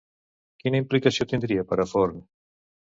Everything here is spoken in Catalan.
Quina implicació tindria per a Forn?